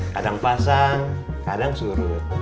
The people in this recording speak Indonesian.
kadang pasang kadang surut